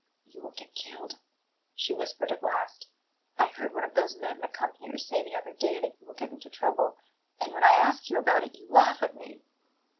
"You will get killed," she whispered at last. "I heard one of those men that come here say the other day that you will get into trouble and when I ask you about it you laugh at me!"